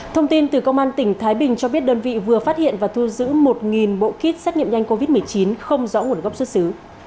thông tin từ công an tỉnh thái bình cho biết đơn vị vừa phát hiện và thu giữ một bộ kit xét nghiệm nhanh covid một mươi chín không rõ nguồn gốc xuất xứ